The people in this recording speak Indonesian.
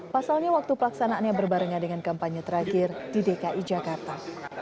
pasalnya waktu pelaksanaannya berbarengan dengan kampanye terakhir di dki jakarta